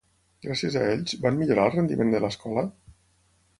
Gràcies a ells, van millorar el rendiment de l'escola?